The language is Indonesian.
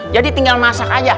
jadi tinggal masak aja